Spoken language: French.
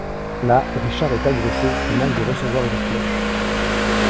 Là, Richard est agressé puis manque de recevoir une flèche.